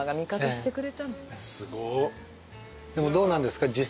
でもどうなんですか？